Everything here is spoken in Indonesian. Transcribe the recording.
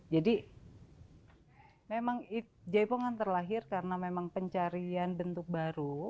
jadi memang jaipongan terlahir karena pencarian bentuk baru